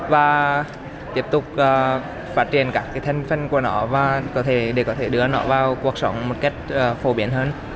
và tiếp tục phát triển các thành phần của nó để có thể đưa nó vào cuộc sống một cách phổ biến hơn